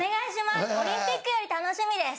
オリンピックより楽しみです。